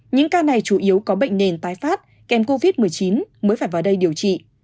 những ca này chủ yếu có bệnh nền tái phát kèm covid một mươi chín mới phải vào đây điều trị